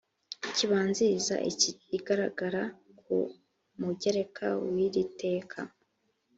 kibanziriza iki igaragara ku mugereka wiri teka